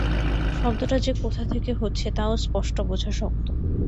শব্দটা যে কোথা থেকে হচ্ছে তাও স্পষ্ট বোঝা শক্ত।